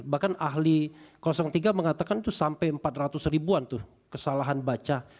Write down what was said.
bahkan ahli tiga mengatakan itu sampai empat ratus ribuan tuh kesalahan baca